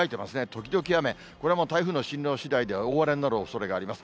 時々雨、これも台風の進路しだいでは、大荒れになるおそれがあります。